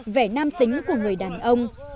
vẻ nam tính của người đàn ông